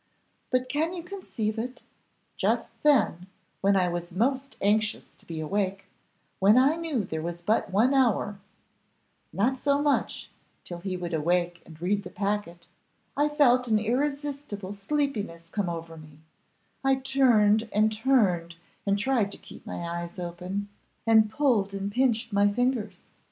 But can you conceive it? just then, when I was most anxious to be awake, when I knew there was but one hour not so much, till he would awake and read that packet, I felt an irresistible sleepiness come over me; I turned and turned, and tried to keep my eyes open, and pulled and pinched my fingers.